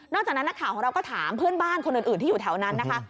จากนั้นนักข่าวของเราก็ถามเพื่อนบ้านคนอื่นที่อยู่แถวนั้นนะคะ